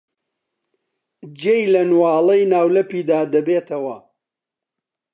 جێی لە نواڵەی ناولەپێکدا دەبێتەوە.